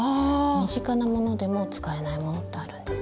身近なものでも使えないものってあるんです。